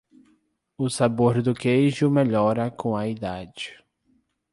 O sabor do queijo melhora com a idade.